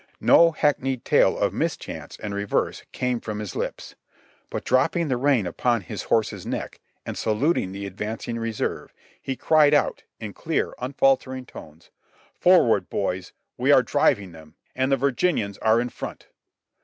No hackneyed tale of mischance and reverse came from his lips, but dropping the rein upon his horse's neck, and saluting the advancing reserve, he cried out in clear, unfaltering tones : "Forward, boys ! we are driving them, and the Virginians are in front!"